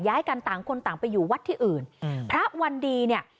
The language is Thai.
ย้ายกันต่างคนต่างไปอยู่วัดที่อื่นอืมพระวันดีเนี่ย